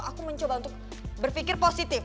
aku mencoba untuk berpikir positif